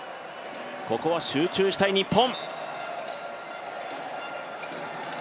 ここは集中したい日本。